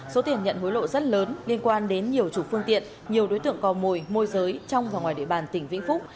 số tiền nhận hối lộ rất lớn liên quan đến nhiều chủ phương tiện nhiều đối tượng cò mồi môi giới trong và ngoài địa bàn tỉnh vĩnh phúc